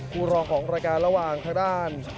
รองของรายการระหว่างทางด้าน